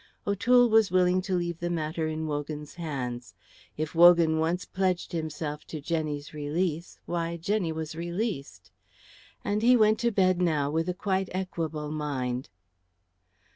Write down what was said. O'Toole was willing to leave the matter in Wogan's hands. If Wogan once pledged himself to Jenny's release, why, Jenny was released; and he went to bed now with a quite equable mind.